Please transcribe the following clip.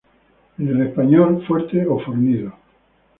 En la jerga de habla hispana: Fuerte o fornido.